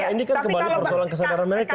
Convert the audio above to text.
ini kan kembali persoalan kesadaran mereka